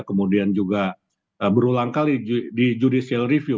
kemudian juga berulang kali di judicial review